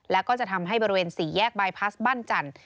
แล้วก็จะทำให้บริเวณ๔แยกบายพลาสบ้านจันทร์